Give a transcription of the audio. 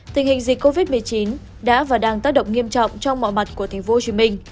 tình hình dịch covid một mươi chín đã và đang tác động nghiêm trọng trong mọi mặt của tp hcm